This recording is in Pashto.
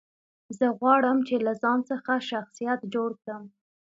زه غواړم، چي له ځان څخه شخصیت جوړ کړم.